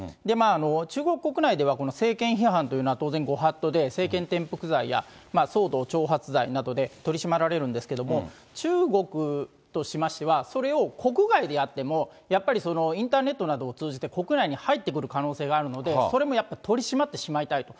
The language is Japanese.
中国国内では、政権批判というのは当然ごはっとで、政権転覆罪や騒動挑発罪などで取り締まられるんですけれども、中国としましては、それを国外でやっても、やっぱりその、インターネットなどを通じて国内に入ってくる可能性があるので、それもやっぱり取り締まってしまいたいと。